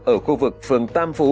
ở khu vực phường tam phú